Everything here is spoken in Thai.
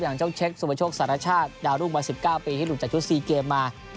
หลังจากเจ้าเชคสุพชกสรรชาติดาวรุงบัน๑๙ปีที่หลุดจากชุดซีเกมมา